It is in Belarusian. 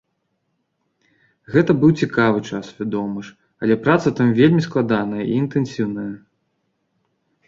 Гэта быў цікавы час, вядома ж, але праца там вельмі складаная і інтэнсіўная.